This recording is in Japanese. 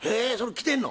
来てんの？